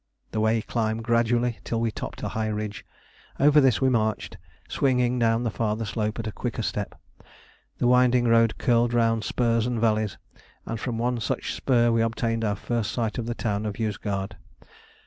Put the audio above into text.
The way climbed gradually till we topped a high ridge. Over this we marched, swinging down the farther slope at a quicker step. The winding road curled round spurs and valleys, and from one such spur we obtained our first sight of the town of Yozgad.